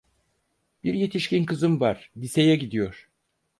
Bir yetişkin kızım var, liseye gidiyor.